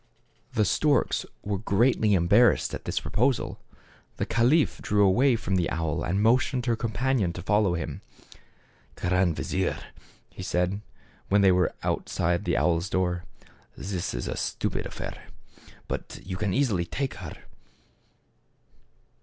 The storks were greatly embarrassed at this proposal. The caliph drew away from the owl and motioned his companion to follow him. " Grand vizier," he said, when they were out side the owl's door, "this is a stupid affair; but you can easily take her."